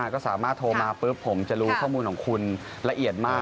ก็สามารถโทรมาปุ๊บผมจะรู้ข้อมูลของคุณละเอียดมาก